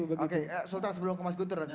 oke sultan sebelum ke mas guter jawab